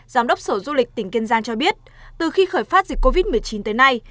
giám đốc sở du lịch tỉnh kiên giang cho biết từ khi khởi phát dịch covid một mươi chín tới nay